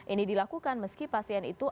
ini dilakukan meski pasien itu